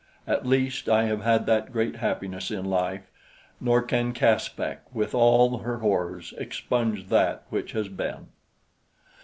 At least I have had that great happiness in life; nor can Caspak, with all her horrors, expunge that which has been.